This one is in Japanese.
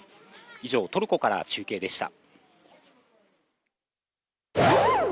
以上、トルコから中継でした。